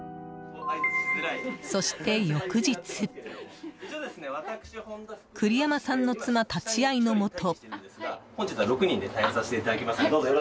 そして翌日栗山さんの妻立ち会いのもと。